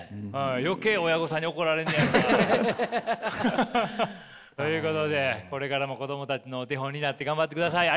余計親御さんに怒られんねやろなあ。ということでこれからも子供たちのお手本になって頑張ってください。